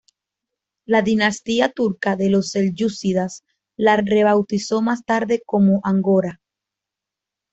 La dinastía turca de los selyúcidas la rebautizó más tarde como Angora.